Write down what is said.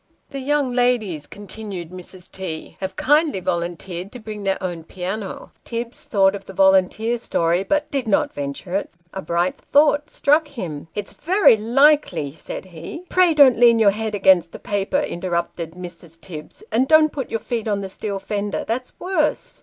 " The young ladies," continued Mrs. T., " have kindly volunteered to bring their own piano." Tibbs thought of the volunteer story, but did not venture it. A bright thought struck him " It's very likely " said he. "Pray don't lean your head against the paper," interrupted Mrs. Tibbs; "and don't put your feet on the steel fender; that's worse."